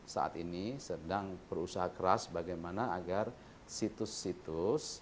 saat ini sedang berusaha keras bagaimana agar situs situs